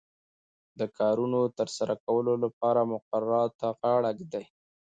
د کارونو د ترسره کولو لپاره مقرراتو ته غاړه ږدي.